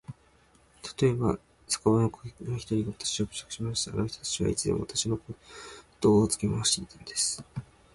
たとえば、酒場のお客の一人がわたしを侮辱しました。あの人たちはいつでもわたしのあとをつけ廻していたんです。